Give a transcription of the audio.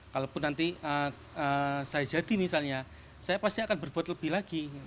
kalaupun nanti saya jadi misalnya saya pasti akan berbuat lebih lagi